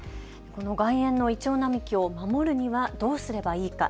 この外苑のイチョウ並木を守るにはどうすればいいか。